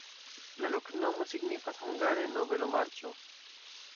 La loknomo signifas hungare: nobelo-marĉo.